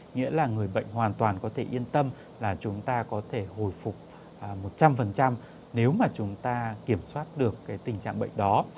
nghĩa là người bệnh hoàn toàn có thể yên tâm là chúng ta có thể hồi phục một trăm linh nếu mà chúng ta kiểm soát được tình trạng bệnh đó